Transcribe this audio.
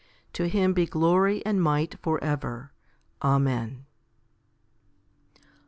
To Him be glory and might for ever. Amen.